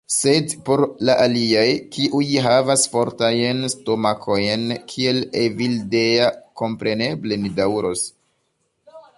Sed por la aliaj, kiuj havas fortajn stomakojn, kiel Evildea. Kompreneble, ni daŭros.